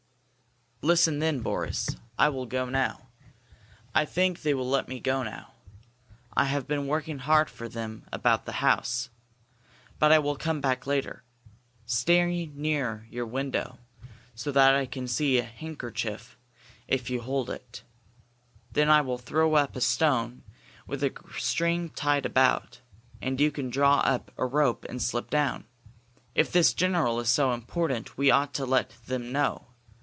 "Listen, then, Boris. I will go now. I think they will let me go now. I have been working hard for them about the house. But I will come back later. Stay near your window, so that I can see a handkerchief if you hold it. Then I will throw up a stone with a string tied about, and you can draw up a rope and slip down. If this general is so important we ought to let them know.